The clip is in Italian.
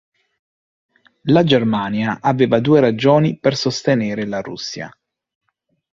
La Germania aveva due ragioni per sostenere la Russia.